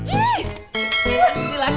ini dia kok